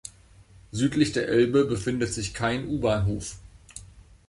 Südlich der Elbe befindet sich kein U-Bahnhof.